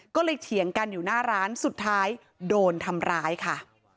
ก็เลยเถียงกันอยู่หน้าร้านสุดท้ายโดนทำร้ายค่ะ